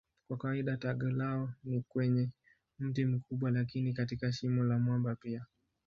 Kwa kawaida tago lao ni kwenye mti mkubwa lakini katika shimo la mwamba pia.